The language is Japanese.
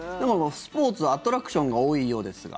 スポーツアトラクションが多いようですが。